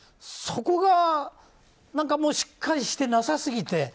そこがしっかりしてなさすぎて。